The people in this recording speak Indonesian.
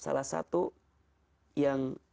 salah satu yang